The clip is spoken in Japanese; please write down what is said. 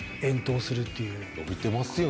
伸びてますよね